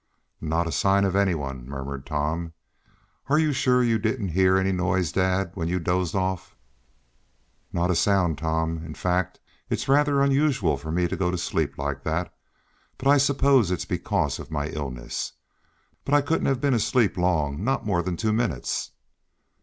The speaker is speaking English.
"Not a sign of any one," murmured Tom. "Are you sure you didn't hear any noise, dad, when you dozed off?" "Not a sound, Tom. In fact, it's rather unusual for me to go to sleep like that, but I suppose it's because of my illness. But I couldn't have been asleep long not more than two minutes."